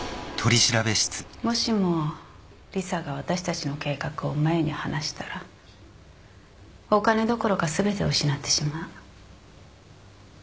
もしもリサが私たちの計画をマユに話したらお金どころか全てを失ってしまう